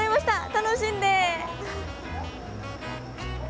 楽しんで。